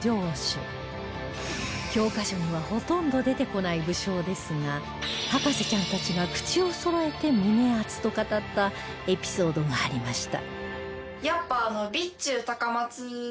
教科書にはほとんど出てこない武将ですが博士ちゃんたちが口をそろえて胸アツと語ったエピソードがありました